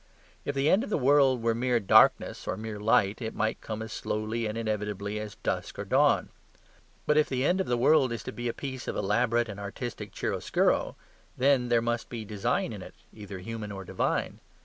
If the end of the world were mere darkness or mere light it might come as slowly and inevitably as dusk or dawn. But if the end of the world is to be a piece of elaborate and artistic chiaroscuro, then there must be design in it, either human or divine.